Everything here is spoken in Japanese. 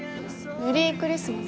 メリークリスマス！